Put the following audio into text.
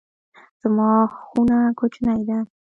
زما خونه کوچنۍ ده